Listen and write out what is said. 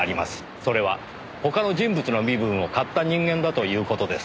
それは他の人物の身分を買った人間だという事です。